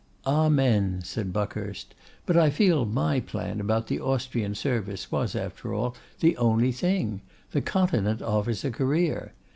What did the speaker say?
'Amen!' said Buckhurst; 'but I feel my plan about the Austrian service was, after all, the only thing. The Continent offers a career.